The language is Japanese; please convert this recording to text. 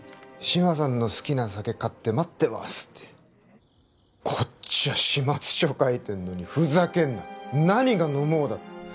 「志摩さんの好きな酒買って待ってます」ってこっちは始末書書いてんのにふざけんな何が「飲もう」だ？